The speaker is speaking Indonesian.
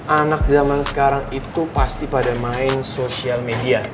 anak zaman sekarang itu pasti pada main sosial media